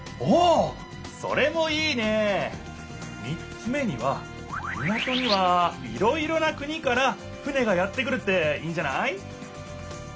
３つ目には港にはいろいろな国から船がやって来るっていいんじゃない？